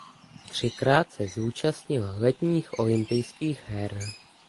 Třikrát se zúčastnila letních olympijských her.